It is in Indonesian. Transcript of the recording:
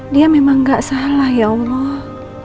dia memang gak salah ya allah